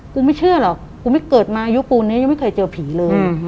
ไม่เชื่อหรอกกูไม่เกิดมายุคปูนนี้ยังไม่เคยเจอผีเลย